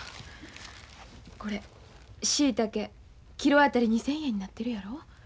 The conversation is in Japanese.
これ椎茸キロあたり２，０００円になってるやろ。